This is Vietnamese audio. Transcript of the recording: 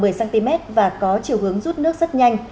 nước nước ngập nước khoảng một mươi cm và có chiều hướng rút nước rất nhanh